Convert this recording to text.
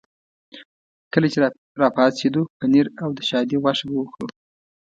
کله چې را پاڅېدو پنیر او د شادي غوښه به وخورو.